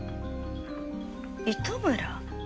糸村？